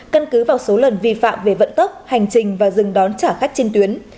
căn cứ vào số lần vi phạm về vận tốc hành trình và dừng đón trả khách trên tuyến